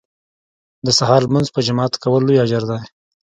د سهار لمونځ په جماعت کول لوی اجر لري